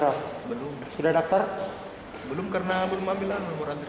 belum karena belum ambil anggaran